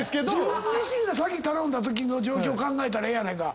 自分自身が先頼んだときの状況考えたらええやないか。